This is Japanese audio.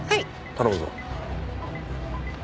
頼むぞ。